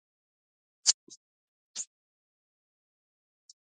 ایا له ناروغۍ سره مبارزه کولی شئ؟